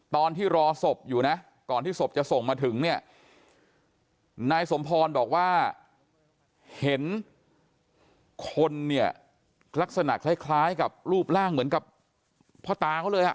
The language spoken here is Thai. ตอนที่รอศพอยู่นะก่อนที่ศพจะส่งมาถึงเนี่ยนายสมพรบอกว่าเห็นคนเนี่ยลักษณะคล้ายกับรูปร่างเหมือนกับพ่อตาเขาเลยอ่ะ